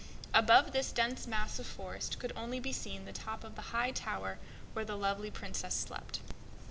Above this dense mass of forest could only be seen the top of the high tower where the lovely Princess slept.